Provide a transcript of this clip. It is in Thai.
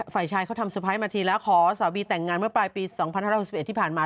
ฝ่ายชายเขาทำเตอร์ไพรส์มาทีแล้วขอสาวบีแต่งงานเมื่อปลายปี๒๕๖๑ที่ผ่านมา